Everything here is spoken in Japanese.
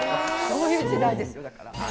そういう時代ですよ、だから。